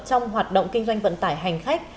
trong hoạt động kinh doanh vận tải hành khách